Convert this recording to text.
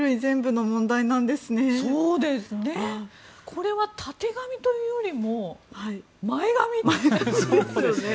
これはたてがみというよりも前髪と。